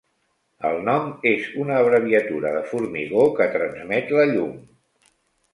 El nom es una abreviatura de "formigó que transmet la llum".